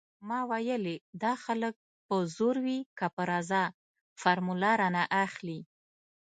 ما ويلې دا خلک په زور وي که په رضا فارموله رانه اخلي.